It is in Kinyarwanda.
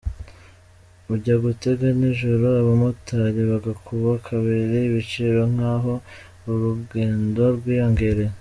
Ujya gutega nijoro abamotari bagakuba kabiri ibiciro nk’aho urugendo rwiyongereye.